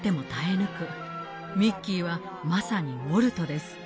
ミッキーはまさにウォルトです。